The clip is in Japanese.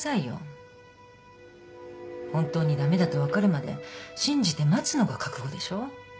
本当に駄目だと分かるまで信じて待つのが覚悟でしょ？